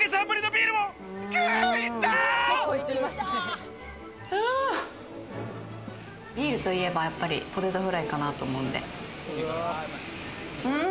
ビールといえば、やっぱりポテトフライかなと思うんで。